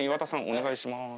お願いします。